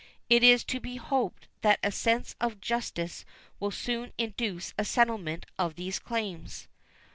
It is to be hoped that a sense of justice will soon induce a settlement of these claims.